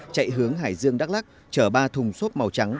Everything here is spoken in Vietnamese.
chạy hướng hải dương đắk lắc chở ba thùng xốp màu trắng